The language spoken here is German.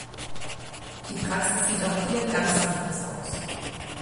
Die Praxis sieht auch hier ganz anders aus.